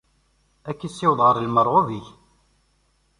Ad k-issiweḍ ɣer lmerɣub-ik.